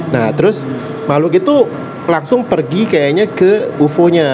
nah terus makhluk itu langsung pergi kayaknya ke ufo nya